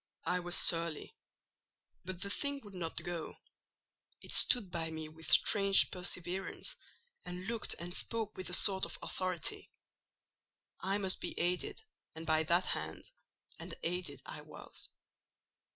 I was surly; but the thing would not go: it stood by me with strange perseverance, and looked and spoke with a sort of authority. I must be aided, and by that hand: and aided I was.